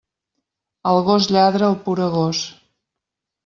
El gos lladra al poregós.